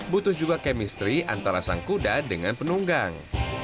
butuh juga kemistri antara sang kuda dengan penunggang